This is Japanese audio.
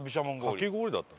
かき氷だった。